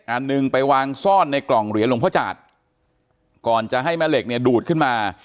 อันหนึ่งไปวางซ่อนในกล่องเหรียญหลวงพ่อจาดก่อนจะให้แม่เหล็กเนี่ยดูดขึ้นมา